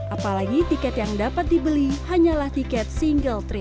apalagi tiket yang dapat dibeli hanyalah tiket single trip